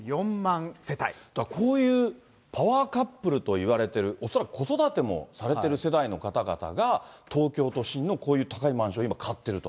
だから、こういうパワーカップルといわれてる、恐らく子育てもされてる世代の方々が、東京都心のこういう高いマンションを今買ってると。